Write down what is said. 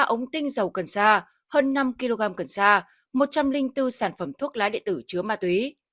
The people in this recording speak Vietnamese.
tám mươi ba ống tinh dầu cần sa hơn năm kg cần sa một trăm linh bốn sản phẩm thuốc lá đệ tử chứa ma túy